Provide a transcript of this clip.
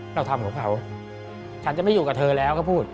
เราทำของเขาฉันจะไม่อยู่กับเธอแล้วก็พูด